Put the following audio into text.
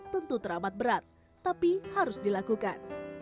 tentu teramat berat tapi harus dilakukan